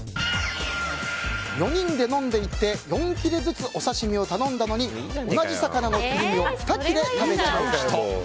４人で飲んでいて４切れずつお刺し身を頼んだのに同じ魚の切り身を２切れ食べちゃう人。